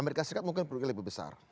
amerika serikat mungkin produknya lebih besar